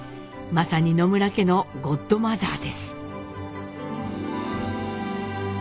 まさに野村家のゴッドマザーです。